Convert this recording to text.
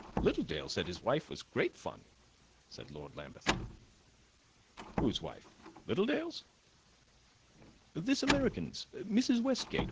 "Littledale said his wife was great fun," said Lord Lambeth. "Whose wife Littledale's?" "This American's Mrs. Westgate.